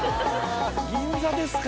銀座ですか？